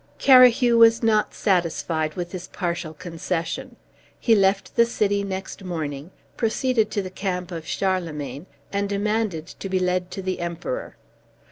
Carahue was not satisfied with this partial concession. He left the city next morning, proceeded to the camp of Charlemagne, and demanded to be led to the Emperor.